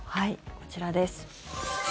こちらです。